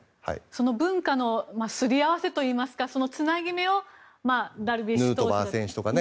その文化のすり合わせといいますかそのつなぎ目をダルビッシュ選手とか。